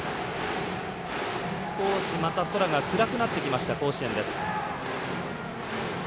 少しまた空が暗くなってきました甲子園です。